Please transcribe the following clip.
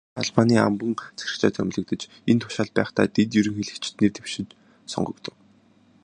Улмаар та Албанийн амбан захирагчаар томилогдож, энэ тушаалд байхдаа дэд ерөнхийлөгчид нэр дэвшиж, сонгогдов.